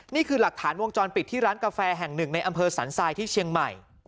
นี่คือหลักฐานวงจรปิดที่ร้านกาแฟแห่งหนึ่งในอำเภอสันทรายที่เชียงใหม่